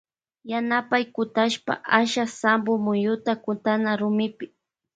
Yanapay kutashpa asha sampo muyuta kutana rumipi.